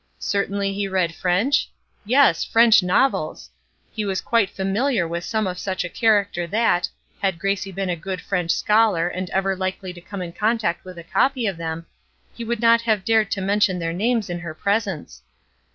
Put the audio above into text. Certainly he read French? Yes, French novels! He was quite familiar with some of such a character that, had Gracie been a good French scholar and ever likely to come in contact with a copy of them, he would not have dared to mention their names in her presence.